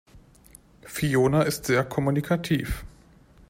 Fiona ist sehr kommunikativ.